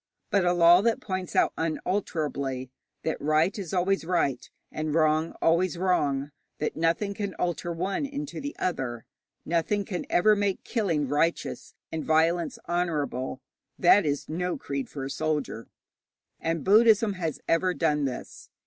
But a law that points out unalterably that right is always right, and wrong always wrong, that nothing can alter one into the other, nothing can ever make killing righteous and violence honourable, that is no creed for a soldier. And Buddhism has ever done this.